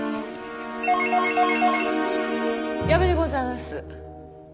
矢部でございます。